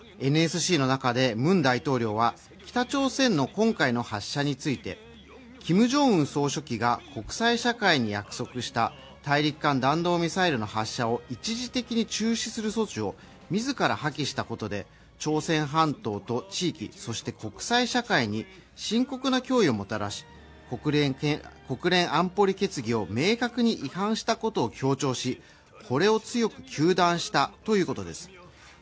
ＮＳＣの中でムン大統領は北朝鮮の今回の発射について、キム・ジョンウン総書記が国際社会に約束した大陸間弾道ミサイルの発射を一時的に中止する措置を自ら破棄したことで、朝鮮半島と地域、そして国際社会に深刻な脅威をもたらし、国連安保理決議を明確に違反したことを強調しこれを強く糾弾したということです。